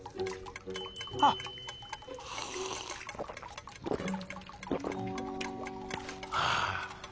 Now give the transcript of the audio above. ああ！はあ。